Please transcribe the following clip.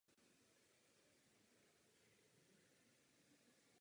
Na ochranu kulturních statků existují rozsáhlá právní opatření.